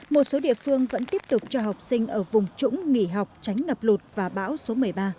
một số địa phương vẫn tiếp tục cho học sinh ở vùng trũng nghỉ học tránh ngập lụt và bão số một mươi ba